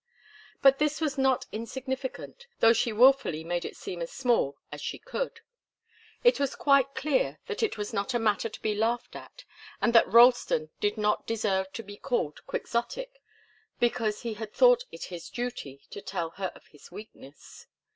But this was not insignificant, though she wilfully made it seem as small as she could. It was quite clear that it was not a matter to be laughed at, and that Ralston did not deserve to be called quixotic because he had thought it his duty to tell her of his weakness.